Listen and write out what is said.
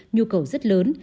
nhu cầu rất lớn